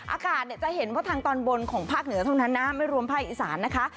อากาศเนี่ยจะเห็นว่าทางตอนบนของภาคเหนือเท่านั้นนะไม่รวมภาคอีสานนะคะ